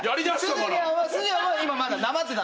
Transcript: すずニャンは今まだなまってた。